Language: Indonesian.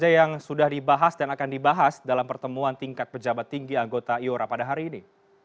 apa saja yang sudah dibahas dan akan dibahas dalam pertemuan tingkat pejabat tinggi anggota iora pada hari ini